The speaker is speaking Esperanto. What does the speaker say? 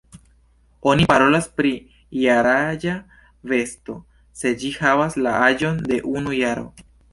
Oni parolas pri jaraĝa besto, se ĝi havas la aĝon de unu jaro.